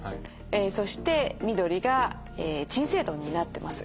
そして緑が鎮静度になってます。